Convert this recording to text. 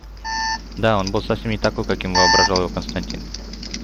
Да, он был совсем не такой, каким воображал его Константин.